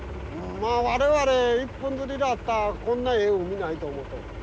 我々一本釣りだったらこんなええ海ないと思っとる。